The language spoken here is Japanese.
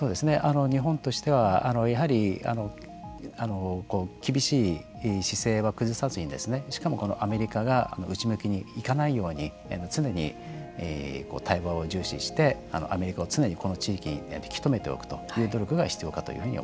日本としてはやはり厳しい姿勢は崩さずにしかも、アメリカが内向きに行かないように常に対話を重視してアメリカを常にこの地域にとめておくというそうですね。